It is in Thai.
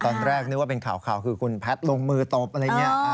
ตอนแรกนึกว่าเป็นข่าวคือคุณแพทย์ลงมือตบอะไรอย่างนี้